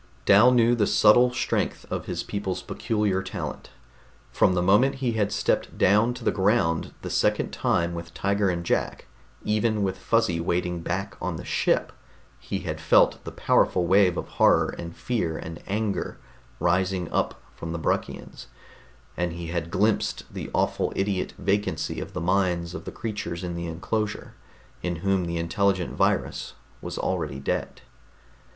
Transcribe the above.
Dal knew the subtle strength of his people's peculiar talent. From the moment he had stepped down to the ground the second time with Tiger and Jack, even with Fuzzy waiting back on the ship, he had felt the powerful wave of horror and fear and anger rising up from the Bruckians, and he had glimpsed the awful idiot vacancy of the minds of the creatures in the enclosure, in whom the intelligent virus was already dead.